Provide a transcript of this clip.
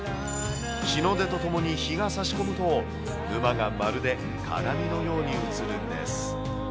日の出とともに日がさし込むと沼がまるで鏡のように映るんです。